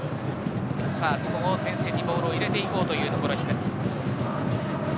前線にボールを入れていこうというところ。